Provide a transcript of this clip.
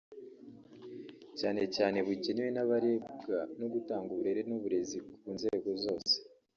cyane cyane bugenewe n’abarebwa no gutanga uburere n’uburezi ku nzego zose